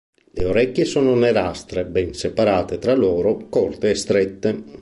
Le orecchie sono nerastre, ben separate tra loro, corte e strette.